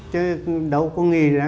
chứ đâu có nghỉ ra